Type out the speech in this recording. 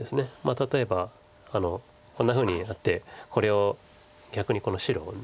例えばこんなふうになってこれを逆にこの白を。